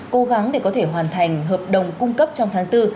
cố gắng để có thể hoàn thành hợp đồng cung cấp trong tháng bốn